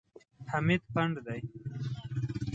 حمید پنډ دی.